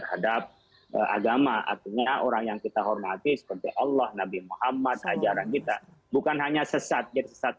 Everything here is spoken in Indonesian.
apa yang masuk dalam hal ini